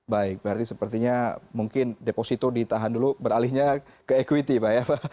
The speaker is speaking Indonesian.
baik berarti sepertinya mungkin deposito ditahan dulu beralihnya ke equity pak ya